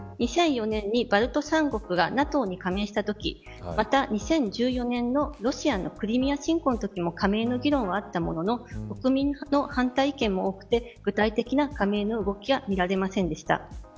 ２００４年にバルト三国がＮＡＴＯに加盟したときまた２０１４年のロシアのクリミア侵攻のときも加盟の議論はあったものの国民の反対意見も多く具体的な加盟の動きが見られませんでした。